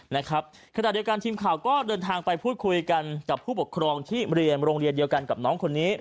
นะครับขณะเดียวกันทีมข่าวก็เดินทางไปพูดคุยกันกับผู้ปกครองที่เรียนโรงเรียนเดียวกันกับน้องคนนี้